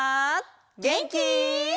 げんき？